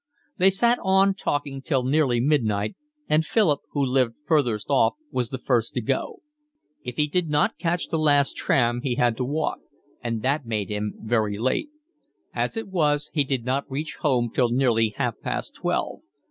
They sat on talking till nearly midnight, and Philip, who lived furthest off, was the first to go. If he did not catch the last tram he had to walk, and that made him very late. As it was he did not reach home till nearly half past twelve.